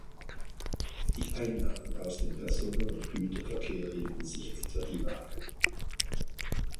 Die Einnahmen aus dem Personen- und Güterverkehr hielten sich etwa die Waage.